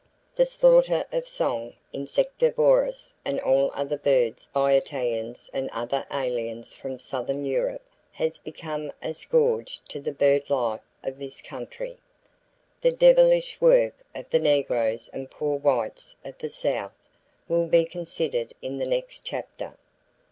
The slaughter of song, insectivorous and all other birds by Italians and other aliens from southern Europe has become a scourge to the bird life of this country. The devilish work of the negroes and poor whites of the South will be considered in the next chapter.